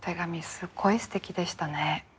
すっごいすてきでしたね。